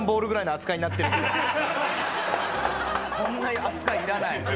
こんな扱いいらない。